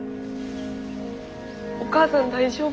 お母さん大丈夫なん？